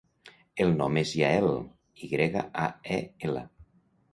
El nom és Yael: i grega, a, e, ela.